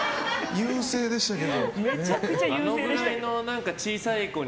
優勢でしたけど。